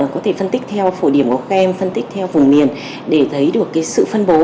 có thể phân tích theo phổ điểm của các em phân tích theo vùng miền để thấy được sự phân bố